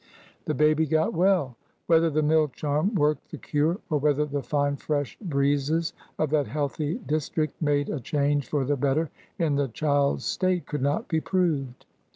The baby got well. Whether the mill charm worked the cure, or whether the fine fresh breezes of that healthy district made a change for the better in the child's state, could not be proved.